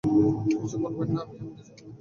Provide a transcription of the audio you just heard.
কিছু বলবেন না, আমি এমনি বুঝে নেব।